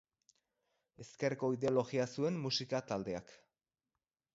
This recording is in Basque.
Ezkerreko ideologia zuen musika taldeak.